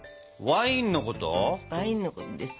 ワインのことです。